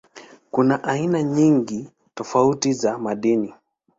Kuna aina nyingi tofauti za madini.